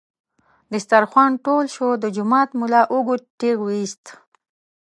دسترخوان ټول شو، د جومات ملا اوږد ټېغ ویست.